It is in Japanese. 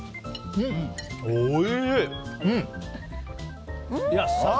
おいしい！